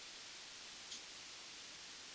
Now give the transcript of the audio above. F A football cup Chelsea نے final کا ticket کٹوا لیا